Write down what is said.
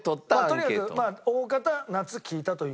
とにかくまあおおかた夏聞いたという事だよね。